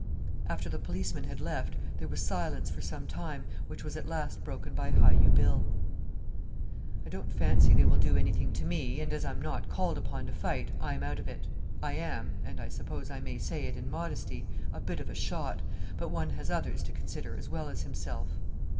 After the policeman had left there was silence for some time, which was at last broken by Hi u Bill. "I don't fancy they will do anything to me, and as I'm not called upon to fight I'm out of it. I am and I suppose I may say it in modesty a bit of a shot; but one has others to consider as well as himself."